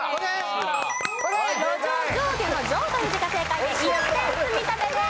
路上上下の「上」という字が正解で１点積み立てです。